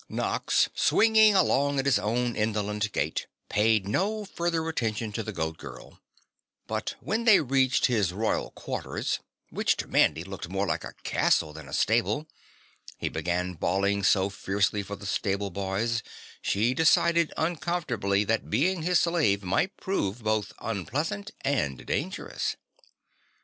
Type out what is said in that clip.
Nox swinging along at his own indolent gait paid no further attention to the Goat Girl, but when they reached his royal quarters, which to Mandy looked more like a castle than a stable, he began bawling so fiercely for the stable boys she decided uncomfortably that being his slave might prove both unpleasant and dangerous.